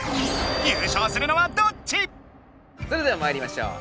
優勝するのはどっち⁉それではまいりましょう。